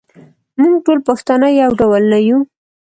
موږ ټول پښتانه یو ډول نه یوو.